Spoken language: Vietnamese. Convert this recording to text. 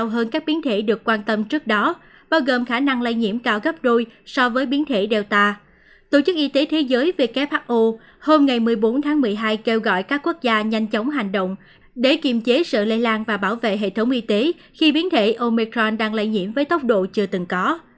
hôm ngày một mươi bốn tháng một mươi hai kêu gọi các quốc gia nhanh chóng hành động để kiềm chế sự lây lan và bảo vệ hệ thống y tế khi biến thể omicron đang lây nhiễm với tốc độ chưa từng có